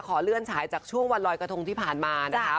เลื่อนฉายจากช่วงวันลอยกระทงที่ผ่านมานะคะ